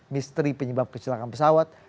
misteri penyebab kecelakaan pesawat